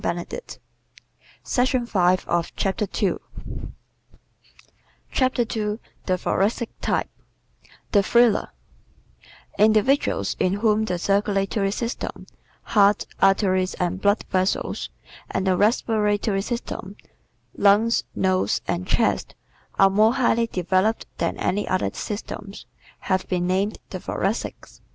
_ [Illustration: 3 Thoracic the "thriller"] CHAPTER II The Thoracic Type "The Thriller" Individuals in whom the circulatory system (heart, arteries and blood vessels) and the respiratory system (lungs, nose and chest) are more highly developed than any other systems, have been named the Thoracics.